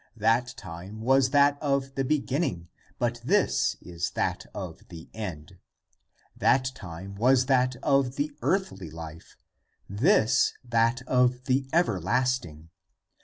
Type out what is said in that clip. That time was that of the beginning, but this is that of the end. That time was that of the earthly life, this that of the everlasting.